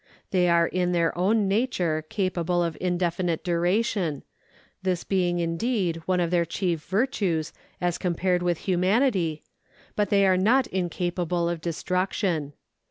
They are in their own nature capable of indefinite duration, this being indeed one of their chief virtues as compared with humanity, but they are not incapable of destruction.